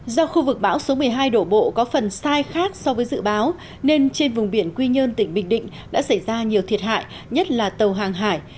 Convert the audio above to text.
do khu vực bão số một mươi hai đổ bộ có phần sai khác so với dự báo nên trên vùng biển quy nhơn tỉnh bình định đã xảy ra nhiều thiệt hại nhất là tàu hàng hải